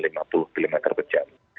itu lima terkejam